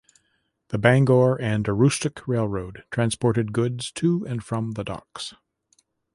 The Bangor and Aroostook Railroad transported goods to and from the docks.